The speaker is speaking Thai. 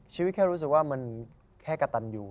แค่รู้สึกว่ามันแค่กระตันอยู่